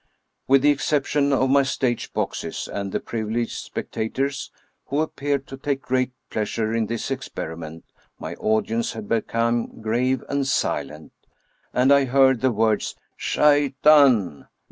With the exception of my stage boxes and the privileged spectators who appeared to take great pleasure in this ex periment, my audience had become grave and silent, and I heard the words " Shaitan